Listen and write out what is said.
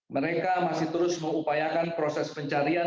mereka masih terus mengupayakan proses pencarian